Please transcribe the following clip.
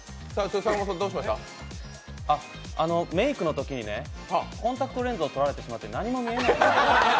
メイクのときにね、コンタクトレンズをとられてしまって何も見えないんですよ。